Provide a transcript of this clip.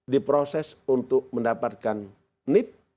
di proses untuk mendapatkan nif